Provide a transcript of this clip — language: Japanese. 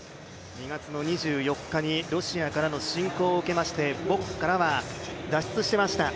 ２月２４日にロシアからの侵攻を受けまして母国からは脱出しました。